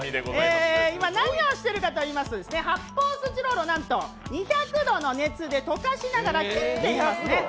今、何をしているかといいますと発泡スチロールをなんと２００度の熱で溶かしながら切っていますね。